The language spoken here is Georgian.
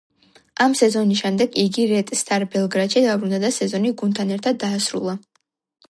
ამ სეზონის შემდეგ იგი რედ სტარ ბელგრადში დაბრუნდა და სეზონი გუნდთან ერთად დაასრულა.